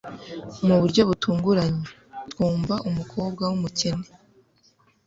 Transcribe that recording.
mu buryo butunguranye, twumva umukobwa wumukene